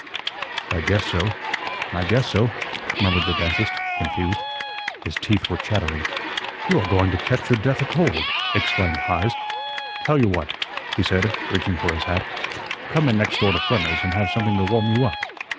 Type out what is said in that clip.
"I guess so I guess so," murmured the dentist, confused. His teeth were chattering. "YOU'RE going to catch your death a cold," exclaimed Heise. "Tell you what," he said, reaching for his hat, "come in next door to Frenna's and have something to warm you up.